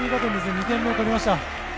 ２点目を取りました。